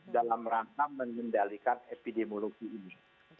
dalam merancang menjendalikan epidemiologi ini